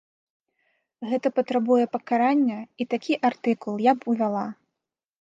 Гэта патрабуе пакарання, і такі артыкул я б увяла.